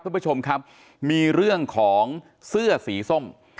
คุณผู้ชมครับมีเรื่องของเสื้อสีส้ม